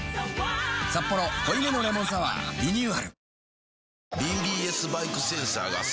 「サッポロ濃いめのレモンサワー」リニューアル